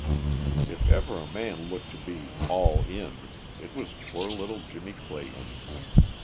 If ever a man looked to be "all in" it was poor little Jimmie Clayton.